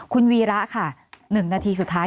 คุณวีระค่ะ๑นาทีสุดท้าย